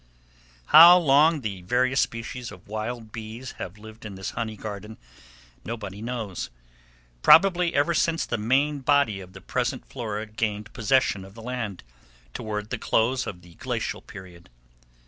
How long the various species of wild bees have lived in this honey garden, nobody knows; probably ever since the main body of the present flora gained possession of the land, toward the close of the glacial period.